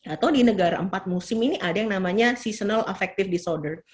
atau di negara empat musim ini ada yang namanya seasonal affective disorder